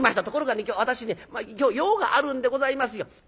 ところがね今日私ね用があるんでございますよ。